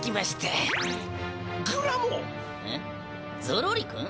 ゾロリ君？